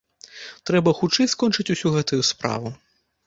Трэба хутчэй скончыць усю гэтую справу.